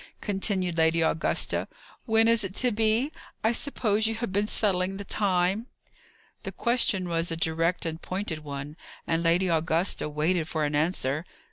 continued Lady Augusta. "When is it to be? I suppose you have been settling the time." The question was a direct and pointed one, and Lady Augusta waited for an answer.